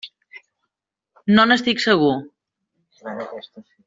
No n'estic segur.